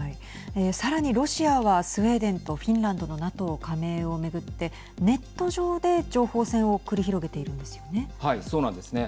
さらに、ロシアはスウェーデンとフィンランドのＮＡＴＯ加盟をめぐってネット上で情報戦を繰り広げているんですよね。